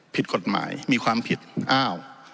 ผิดกฎหมายมีความผิดอ้าว